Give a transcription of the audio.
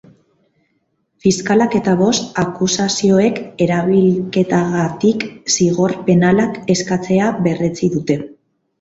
Fiskalak eta bost akusazioek erailketagatik zigor penalak eskatzea berretsi dute.